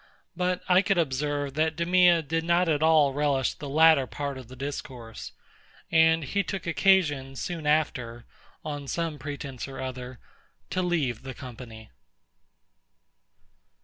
But I could observe that DEMEA did not at all relish the latter part of the discourse; and he took occasion soon after, on some pretence or other, to leave the company.